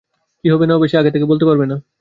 কী হবে না হবে, যা সে আগে থেকে বলতে পারবে না।